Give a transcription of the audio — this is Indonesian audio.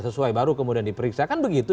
sesuai baru kemudian diperiksa kan begitu